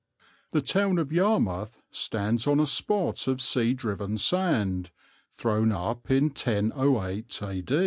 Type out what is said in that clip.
The town of Yarmouth stands on a spot of sea driven sand, thrown up in 1008 A.